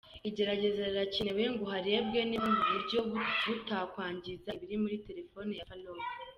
Igerageza rirakenewe ngo harebwe niba ubu buryo butakwangiza ibiri muri telefoni ya Farook.